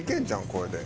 これで。